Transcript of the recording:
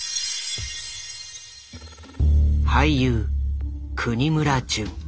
俳優國村隼。